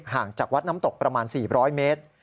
ห่างจากวัดน้ำตกประมาณ๔๐๐เมตร